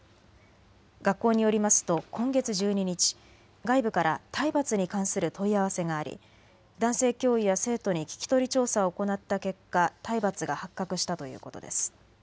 学校によりますと今月１２日、外部から体罰に関する問い合わせがあり男性教諭や生徒に聴き取り調査を行った結果、体罰が発覚したということです。